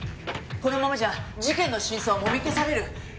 このままじゃ事件の真相はもみ消される。